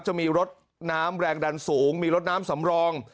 จะมีรถน้ำแรงดันสูงมีรถน้ำสำรอง